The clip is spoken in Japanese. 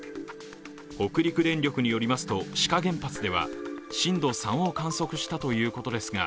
北陸電力によりますと、志賀原発では震度３を観測したということですが